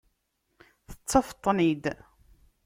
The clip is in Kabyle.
Tettafeḍ-tent-id.